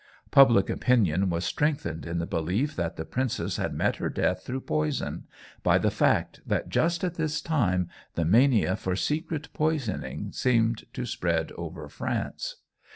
Public opinion was strengthened in the belief that the princess had met her death through poison, by the fact that just at this time the mania for secret poisoning seemed to spread over France.